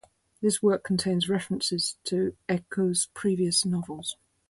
This work contains references to Eco's previous novels.